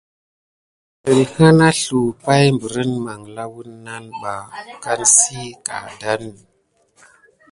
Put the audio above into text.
Səlhâ nà sluwà pay berine manla wuna ɓa kan si tadane apay kisia.